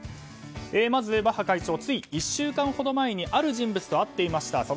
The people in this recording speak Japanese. まずバッハ会長つい１週間ほど前にある人物と会っていました。